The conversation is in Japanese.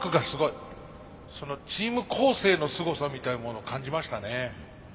チーム構成のすごさみたいなものを感じましたね。